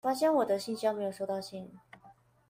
我發現我的信箱沒收到信